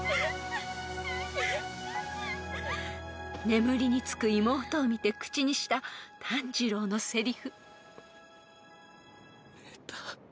［眠りにつく妹を見て口にした炭治郎のせりふ］